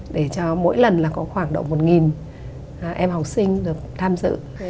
để cho mỗi lần là có khoảng độ một em học sinh được tham dự